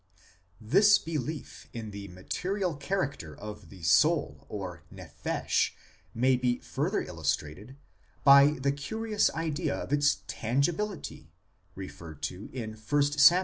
This belief in the material character of the soul, or nephesh, may be further illustrated by the curious idea of its tangibility referred to in 1 Sam.